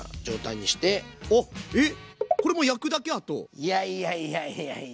いやいやいやいやいやいや。